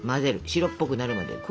白っぽくなるまで。